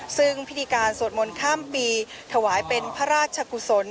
ซึ่งพิธีการสวดมนต์ข้ามปีถวายเป็นพระราชกุศล